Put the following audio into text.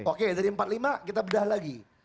oke dari empat puluh lima kita bedah lagi